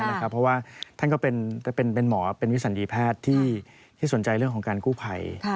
เพราะว่าท่านก็เป็นหมอเป็นวิสันดีแพทย์ที่สนใจเรื่องของการกู้ภัย